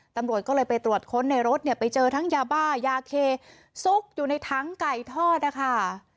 ตำรวจก็เลยไปตรวจค้นในรถเนี่ยไปเจอทั้งยาบ้ายาเคซุกอยู่ในถังไก่ทอดนะคะ